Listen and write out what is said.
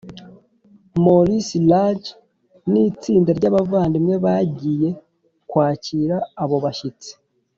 Maurice Raj n itsinda ry abavandimwe bagiye kwakira abo bashyitsi